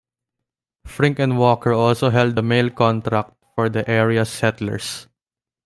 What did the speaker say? Frink and Walker also held the mail contract for the area's settlers.